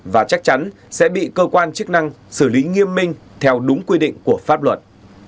và chắc chắn sẽ bị cơ quan chức năng xử lý nghiêm minh theo đúng quy định của pháp luật